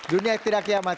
dunia tidak kiamat